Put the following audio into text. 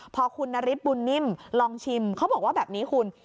พอคุณนฤทธบุญนิ่มลองชิมเขาบอกว่าแบบนี้คุณ